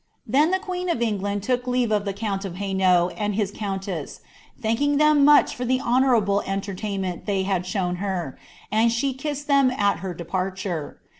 "Then the queen of England took leave of the count of Hainault and his countess, thanking them much for the honourable entertainment they had shown her, and she kiw«d ihem at her departure.